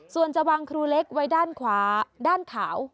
ส่วนจะวางครูเล็กไว้ด้านขวาด้านขาว